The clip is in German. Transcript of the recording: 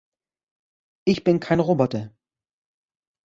Ich bin kein Roboter.